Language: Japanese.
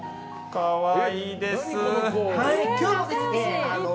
かわいいですー。